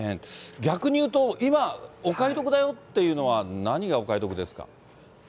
逆に言うと、今、お買い得だよっていうのは、何がお買い得ですか？